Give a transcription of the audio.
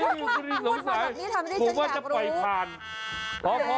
พูดมาแบบนี้ทำไมไม่ที่ฉันอยากรู้